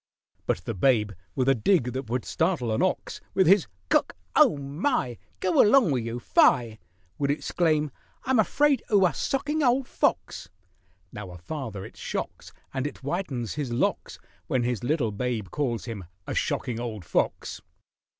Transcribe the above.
But the babe, with a dig that would startle an ox, With his "C'ck! Oh, my!— Go along wiz 'oo, fie!" Would exclaim, "I'm afraid 'oo a socking ole fox." Now a father it shocks, And it whitens his locks, When his little babe calls him a shocking old fox.